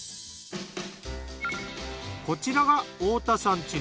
こちらが太田さん